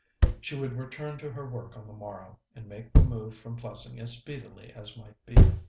She would return to her work on the morrow, and make the move from Plessing as speedily as might be.